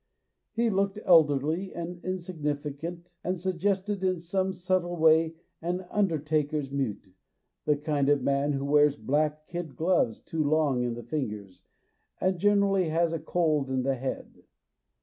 He looked elderly and insignificant and sug gested in some subtle way an undertaker's mute, the kind of man who wears black kid gloves too long in the fingers, and generally has a cold in the head.